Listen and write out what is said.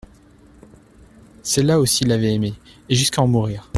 Celle-là aussi l'avait aimé, et jusqu'à en mourir.